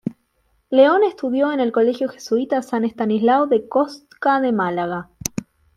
León estudió en el colegio Jesuita San Estanislao de Kostka de Málaga.